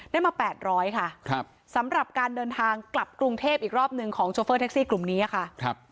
ได้มา๘๐๐ค่ะสำหรับการเดินทางกลับกรุงเทพอีกรอบหนึ่งของโชเฟอร์แท็กซี่กลุ่มนี้ค่ะ